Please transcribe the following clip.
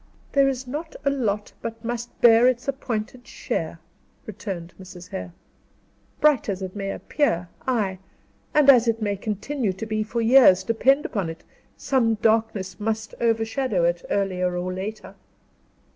"There is not a lot but must bear its appointed share," returned Mrs. Hare. "Bright as it may appear, ay, and as it may continue to be for years, depend upon it, some darkness must overshadow it, earlier or later."